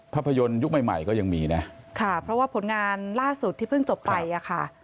ภาพยนตร์ยุคใหม่ใหม่ก็ยังมีนะค่ะเพราะว่าผลงานล่าสุดที่เพิ่งจบไปอ่ะค่ะ